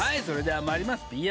それでは参ります。